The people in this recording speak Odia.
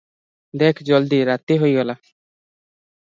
ଦେଖ ଜଲଦି, ରାତି ହୋଇଗଲା ।